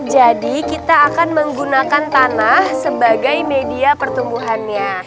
jadi kita akan menggunakan tanah sebagai media pertumbuhannya